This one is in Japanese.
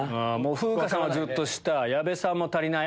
風花さんはずっと下矢部さんも足りない。